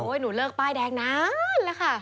หนูเลิกป้ายแดงนานแล้วค่ะ